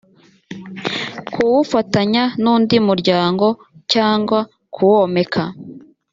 kuwufatanya n undi muryango cyangwa kuwomeka